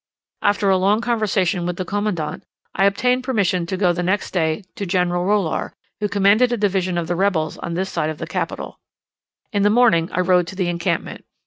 After a long conversation with the commandant, I obtained permission to go the next day to General Rolor, who commanded a division of the rebels on this side the capital. In the morning I rode to the encampment.